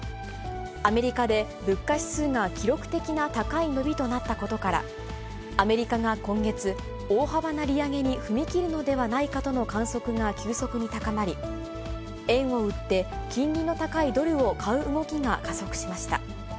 アメリカで物価指数が記録的な高い伸びとなったことから、アメリカが今月、大幅な利上げに踏み切るのではないかとの観測が急速に高まり、円を売って、金利の高いドルを買う動きが加速しました。